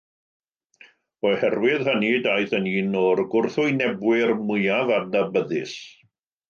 Oherwydd hynny daeth yn un o'r gwrthwynebwyr mwyaf adnabyddus.